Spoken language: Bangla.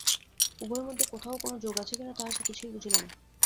উভয়ের মধ্যে কোথাও কোনো যোগ আছে কি না, তাহা সে কিছুই বুঝিল না।